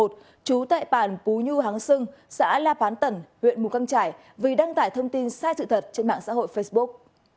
trú tại bản pú nhu háng sưng xã la pán tẩn huyện mù căng trải vì đăng tải thông tin sai sự thật trên mạng xã hội facebook